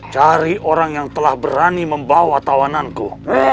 cari orang yang telah berani membawa tawananku